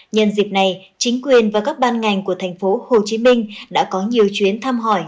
nhân dịp này chính quyền và các ban ngành của thành phố hồ chí minh đã có nhiều chuyến thăm hỏi